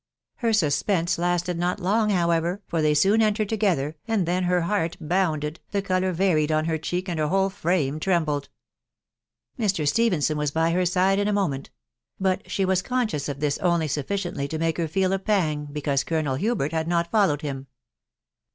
Her suspense lasted not long, however, for they noon entered together, and then her heart bounded, the colour raried oa her cheek, and her whole frame trembled. Mr. Stephenson was by her side in a moment ; but she was conscious of th» only sufficiently to make her feel a pang because Colonel Hubert had not followed him.